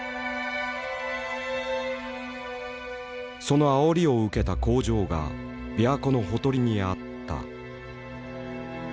そのあおりを受けた工場が琵琶湖のほとりにあった。